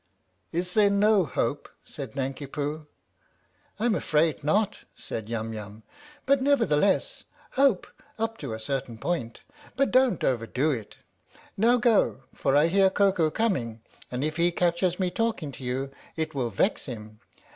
" Is there no hope?" said Nanki Poo. " I'm afraid not," said Yum Yum. " But, never theless, hope up to a certain point, but don't overdo it. Now go, for I hear Koko coming, and if he catches me talking to you it will vex him.